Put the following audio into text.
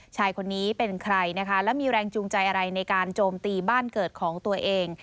ชายคนนี้เป็นใครนะคะแล้วมีแรงจูงใจอะไรในการโจมตีบ้านเกิดของตัวเอง